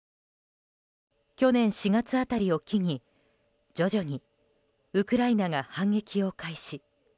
去年４月辺りを機に徐々にウクライナが反撃を開始。